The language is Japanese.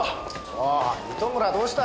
おお糸村どうした？